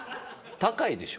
「高いでしょ」？